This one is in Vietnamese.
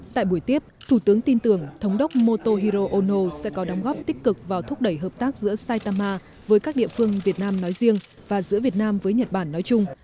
tại buổi tiếp thủ tướng tin tưởng thống đốc motohiro ono sẽ có đóng góp tích cực vào thúc đẩy hợp tác giữa saitama với các địa phương việt nam nói riêng và giữa việt nam với nhật bản nói chung